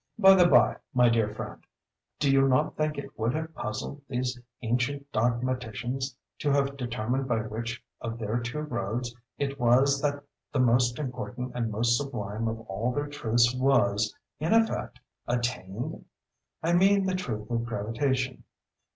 By the by, my dear friend, do you not think it would have puzzled these ancient dogmaticians to have determined by which of their two roads it was that the most important and most sublime of all their truths was, in effect, attained? I mean the truth of Gravitation.